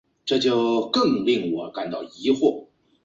鼻头溪河口南侧不远处为淡水红树林保护区。